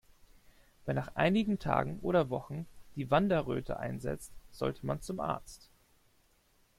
Wenn nach einigen Tagen oder Wochen die Wanderröte einsetzt, sollte man zum Arzt.